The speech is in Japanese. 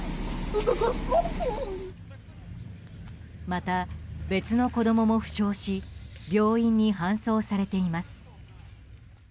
また別の子供も負傷し病院に搬送されています。